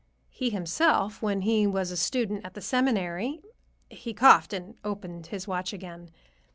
He himself, when he was a student at the Seminary—he coughed and opened his watch again.